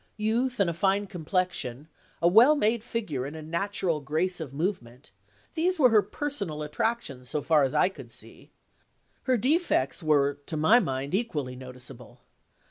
Youth and a fine complexion, a well made figure and a natural grace of movement these were her personal attractions, so far as I could see. Her defects were, to my mind, equally noticeable.